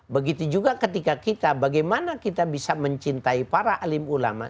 begitu juga ketika kita bagaimana kita bisa mencintai para alim ulama